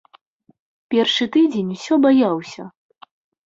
Першы тыдзень усё баяўся.